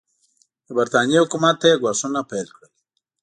د برټانیې حکومت ته یې ګواښونه پیل کړل.